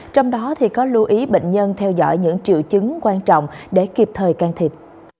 trong đó có lưu ý bệnh nhân theo dõi những triệu chứng quan trọng để kịp thời can thiệp